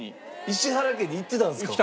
石原家に行ってたんですか？